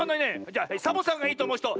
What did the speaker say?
じゃサボさんがいいとおもうひと！